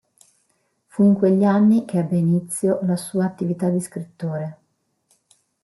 Fu in quegli anni che ebbe inizio la sua attività di scrittore.